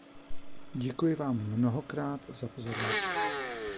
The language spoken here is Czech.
Děkuji vám mnohokrát za pozornost.